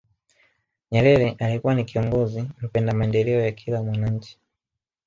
nyerere alikuwa ni kiongozi mpenda maendeleo ya kila mwananchi